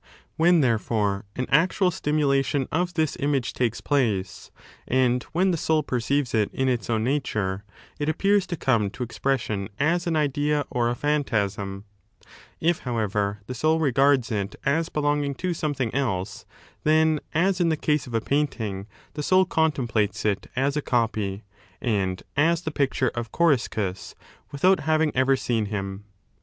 When, therefore, an actual stimulation of this image takes place, and when the soul perceives it in its own nature, it appears to come to expression as an idea or a phantasm; if however the soul regards it as belonging to something else, then, as in the case of a painting, the soul contemplates it as a copy and as the picture of Coriscus, without having ever seen him.